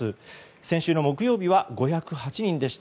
先週の木曜日は５０８人でした。